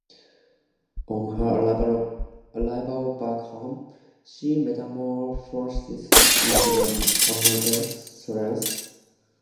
On her arrival back home, she metamorphoses into an amateur sleuth.